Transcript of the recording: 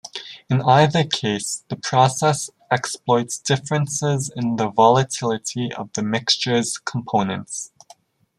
In either case the process exploits differences in the volatility of the mixture's components.